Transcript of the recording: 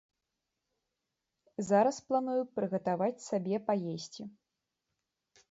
Зараз планую прыгатаваць сабе паесці.